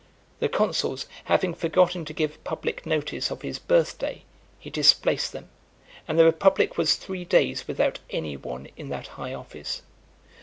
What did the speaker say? The consuls having forgotten to give public notice of his birth day, he displaced them; and the republic was three days without any one in that high office.